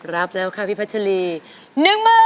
รับแล้วค่ะพี่พัชรี๑หมื่นบาท